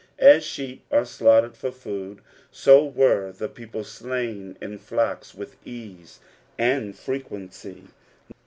Aa sheep are stanghtored for food, so were the people slam in flocks, with ease, and frequency.